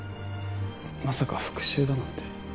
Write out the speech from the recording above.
まさか復讐だなんて